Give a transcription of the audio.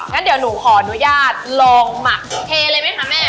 งั้นเดี๋ยวหนูขออนุญาตลองหมักเทเลยไหมคะแม่